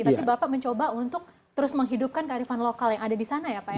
tapi bapak mencoba untuk terus menghidupkan kearifan lokal yang ada di sana ya pak ya